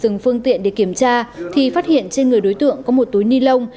trong phương tiện để kiểm tra phát hiện trên người đối tượng có một túi ni lông